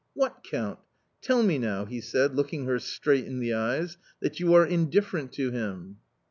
" What Count ! tell me now," he said, looking her straight in the eyes, " that you are indifferent to him